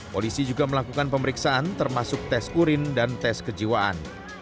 polisi juga melakukan pemeriksaan termasuk tes urin dan tes kejiwaan